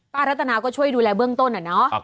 รัตนาก็ช่วยดูแลเบื้องต้นอะเนาะ